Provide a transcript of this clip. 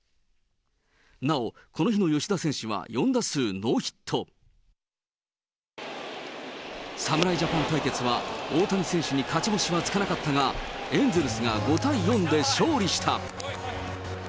なおこの日の吉田選手は、４打数ノーヒット。侍ジャパン対決は、大谷選手に勝ち星はつかなかったが、エンゼルスが５対４で勝利した。